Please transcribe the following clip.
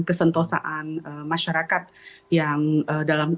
kesentosaan masyarakat yang dalam